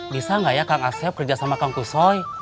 bisa gak ya kang asep kerja sama kang kusoy